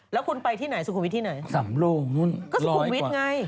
แล้วคุณไปที่ไหนสุขุมวิทย์ที่ไหนสำโลงนู่นก็สุขุมวิทย์ไง